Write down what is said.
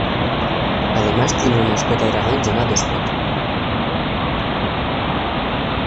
Además tiene una mascota dragón llamado Spot.